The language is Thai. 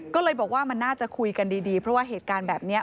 ก็เลยบอกว่ามันน่าจะคุยกันดีเพราะว่าเหตุการณ์แบบนี้